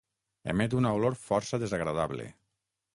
Emet una olor força desagradable.